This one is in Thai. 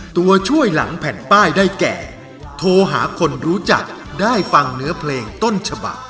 ตัวช่วยหลังแผ่นป้ายได้แก่โทรหาคนรู้จักได้ฟังเนื้อเพลงต้นฉบัก